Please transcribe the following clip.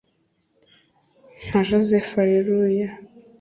nka Joseph Areruya